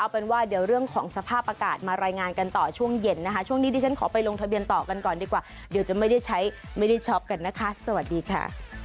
ต่อกันก่อนดีกว่าเดี๋ยวจะไม่ได้ใช้ไม่ได้ช็อปกันนะคะสวัสดีค่ะ